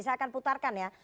saya akan putarkan ya